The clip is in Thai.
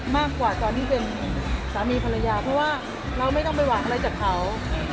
มากกว่าตอนที่เป็นสามีภรรยาเพราะว่าเราไม่ต้องไปหวังอะไรจากเขา